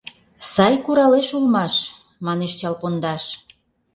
Сай куралеш улмаш, — манеш чал пондаш.